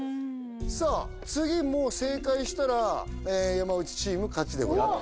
さあ次もう正解したら山内チーム勝ちでございます